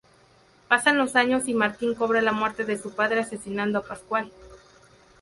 Pasan los años y Martín cobra la muerte de su padre asesinando a Pascual.